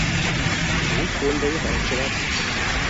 U koʻldagi baliqchilar